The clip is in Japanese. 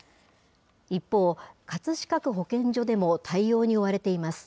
一方、葛飾区保健所でも対応に追われています。